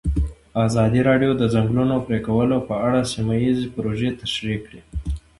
ازادي راډیو د د ځنګلونو پرېکول په اړه سیمه ییزې پروژې تشریح کړې.